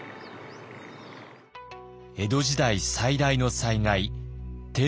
江戸時代最大の災害